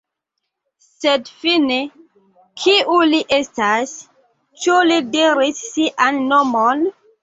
Sed fine, kiu li estas? Ĉu li diris sian nomon?